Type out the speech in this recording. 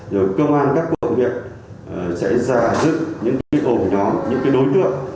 rồi công an các cộng việc sẽ giả dựng những cái ổn nhóm những cái đối tượng